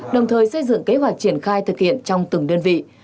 đồng thời xây dựng kế hoạch triển khai thực hiện trong từng đơn vị